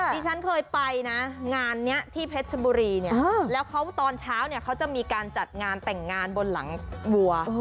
ที่ฉันเคยไปนะงานนี้ที่เพชรชบุรีเนี่ยแล้วเขาตอนเช้าเนี่ยเขาจะมีการจัดงานแต่งงานบนหลังวัว